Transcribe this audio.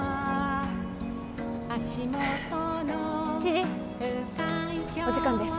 知事お時間です。